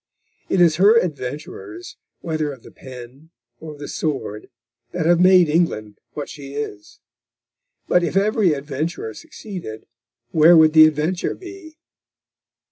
It is her adventurers, whether of the pen or of the sword, that have made England what she is. But if every adventurer succeeded, where would the adventure be?